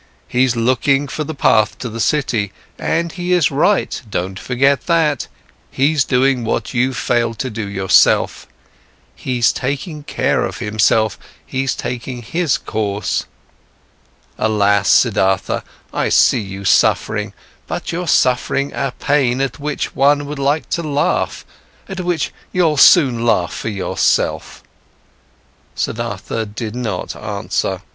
He's looking for the path to the city, and he is right, don't forget that. He's doing what you've failed to do yourself. He's taking care of himself, he's taking his course. Alas, Siddhartha, I see you suffering, but you're suffering a pain at which one would like to laugh, at which you'll soon laugh for yourself." Siddhartha did not answer.